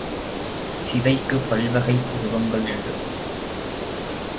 சிவைக்குப் பல் வகையான உருவங்கள் உண்டு.